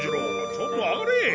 ちょっと上がれ！